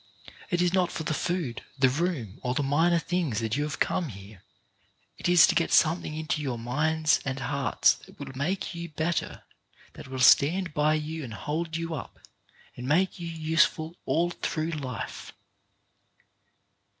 It is not for the food, the room, or the minor things that you have come here; it is to get something into your minds and hearts that will make you better, that will stand by you and hold you up, and make you useful all through life.